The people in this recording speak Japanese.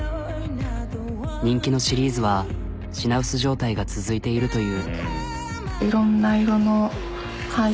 人気のシリーズは品薄状態が続いているという。